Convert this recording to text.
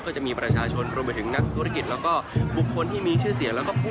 ภูเทียนตรงจิงฮาวหยุงหลัง